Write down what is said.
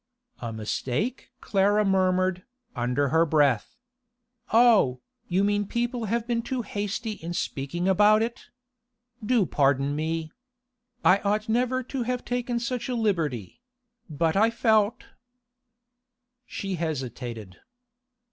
'A mistake?' Clara murmured, under her breath. 'Oh, you mean people have been too hasty in speaking about it. Do pardon me. I ought never to have taken such a liberty—but I felt—' She hesitated.